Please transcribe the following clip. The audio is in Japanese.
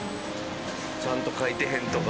ちゃんと書いてへんとか。